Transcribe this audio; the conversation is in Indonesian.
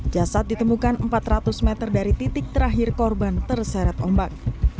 jasad ditemukan empat ratus meter dari titik terakhir korban terseret ombak